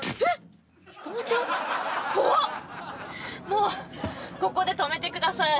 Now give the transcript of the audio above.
もうここで止めてください。